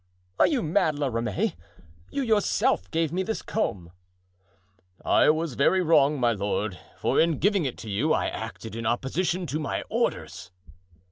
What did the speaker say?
"Are you mad, La Ramee? You yourself gave me this comb." "I was very wrong, my lord, for in giving it to you I acted in opposition to my orders."